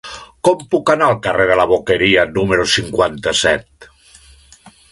Com puc anar al carrer de la Boqueria número cinquanta-set?